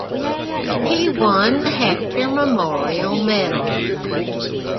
He won the Hector Memorial Medal.